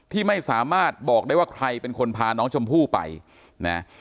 ที่ไม่สามารถบอกได้ว่าใครเป็นคนพาน้องชมพู่ไปนะ